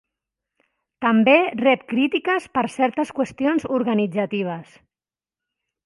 També rep crítiques per certes qüestions organitzatives.